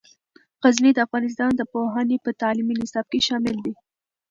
غزني د افغانستان د پوهنې په تعلیمي نصاب کې شامل دی.